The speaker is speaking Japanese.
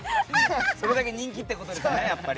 それだけ人気ってことですね。